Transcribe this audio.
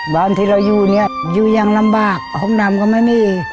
บ้านที่เราอยู่เนี่ยอยู่อย่างลำบากห้องดำก็ไม่มี